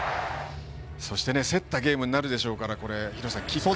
そして競ったゲームになるでしょうからキックも。